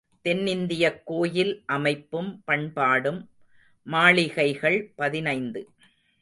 தென்னிந்தியக் கோயில் அமைப்பும் பண்பாடும் மாளிகைகள் பதினைந்து .